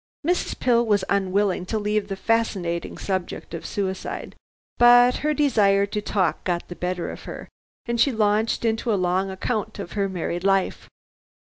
Mrs. Pill was unwilling to leave the fascinating subject of suicide, but her desire to talk got the better of her, and she launched into a long account of her married life.